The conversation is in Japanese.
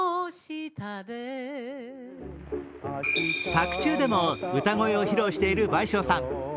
作中でも歌声を披露している倍賞さん。